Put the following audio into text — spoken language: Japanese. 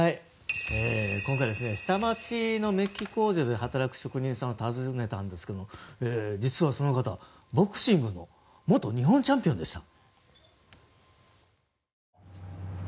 今回、下町のメッキ工場で働く職人さんを訪ねたんですけども実は、その方ボクシングの元日本チャンピオンでした。